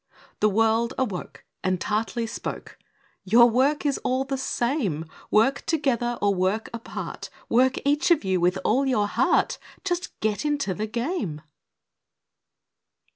The world awoke, and tartly spoke: "Your work is all the same: Work together or work apart, Work, each of you, with all your heart Just get into the game!"